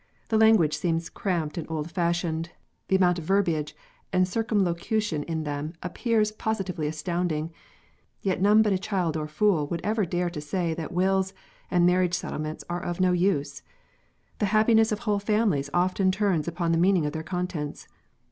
The language seems cramped and old fashioned ; the amount of verbiage and circumlocution in them appears positively astounding : yet none but a child or fool would ever dare to say that wills and marriage settlements are of no use. The happiness of whole families often turns upon the meaning of their contents.